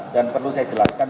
dan perlu saya jelaskan